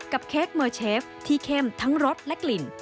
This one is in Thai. เค้กเมอร์เชฟที่เข้มทั้งรสและกลิ่น